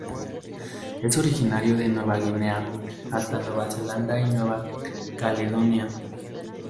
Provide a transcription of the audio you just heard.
Es originario de Nueva Guinea hasta Nueva Zelanda y Nueva Caledonia.